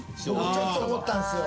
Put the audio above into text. ちょっと思ったんですよ。